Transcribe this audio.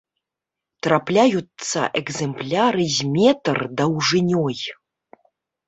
Трапляюцца экземпляры з метр даўжынёй.